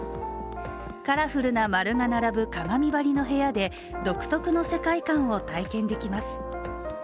カラフルな丸が並ぶ鏡張りの部屋で独特の世界感を体験できます。